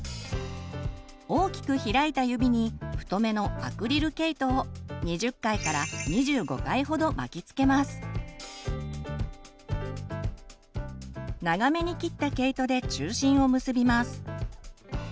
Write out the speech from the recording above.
大きく開いた指に太めのアクリル毛糸を長めに切った毛糸で中心を結びます。